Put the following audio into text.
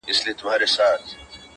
o دوست به دي وژړوي، دښمن به دي و خندوي٫